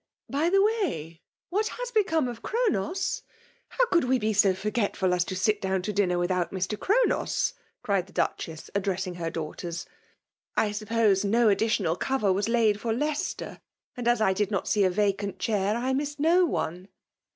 *' By the way^ what has become of ChrOHe»? Hmt coqU we be so forgetful as to sit down to dinner wkhoat Mr. CSironos!^' cried the Dftthess, addiessing her daughters. ^ I sup* pose no additioBal cover was laid for Leicester; and as I did not see a vacant choir^ I missed BO one."